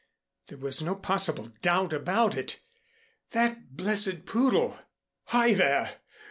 There was no possible doubt about it! That blessed poodle! "Hi! there!